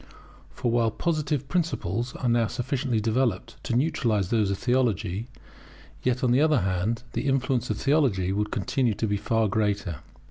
For while Positive principles are now sufficiently developed to neutralize those of Theology, yet, on the other hand, the influence of theology would continue to be far greater.